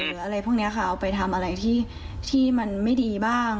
หรืออะไรพวกนี้ค่ะเอาไปทำอะไรที่มันไม่ดีบ้าง